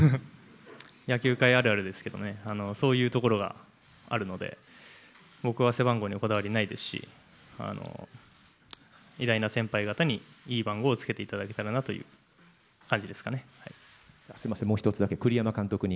野球界あるあるですけどね、そういうところがあるので、僕は背番号にこだわりないですし、偉大な先輩方にいい番号をつけていただけたらなという感じですかすみません、もう１つだけ、栗山監督に。